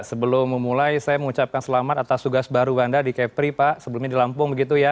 sebelum memulai saya mengucapkan selamat atas tugas baru anda di kepri pak sebelumnya di lampung begitu ya